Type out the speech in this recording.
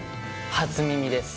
初耳です。